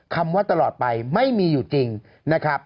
คำว่าตลอดไปไม่มีอยู่จริงนะครับ